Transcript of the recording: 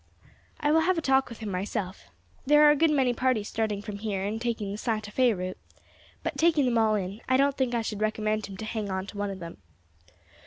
I will have a talk with him myself. There are a good many parties starting from here and taking the Santa Fé route; but, taking them all in all, I don't think I should recommend him to hang on to one of them."